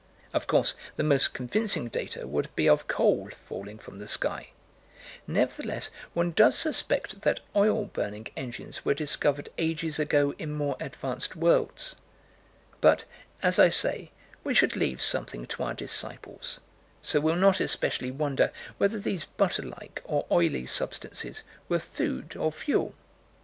Of course the most convincing data would be of coal falling from the sky: nevertheless, one does suspect that oil burning engines were discovered ages ago in more advanced worlds but, as I say, we should leave something to our disciples so we'll not especially wonder whether these butter like or oily substances were food or fuel.